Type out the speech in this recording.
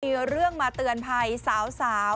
มีเรื่องมาเตือนภัยสาว